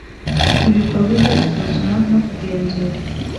Ibikorwa byo gusuzuma no kugenzura